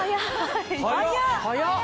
早っ！